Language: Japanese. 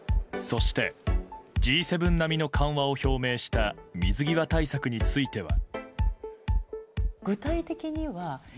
そして、Ｇ７並みの緩和を表明した水際対策については。